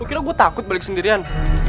lo kira gue takut balik sendirian